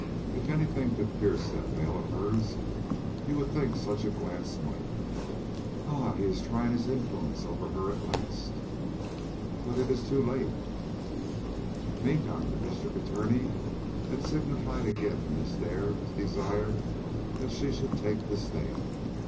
If any thing could pierce that veil of hers, you would think such a glance might." "Ah, he is trying his influence over her at last." "But it is too late." Meantime the District Attorney had signified again to Miss Dare his desire that she should take the stand.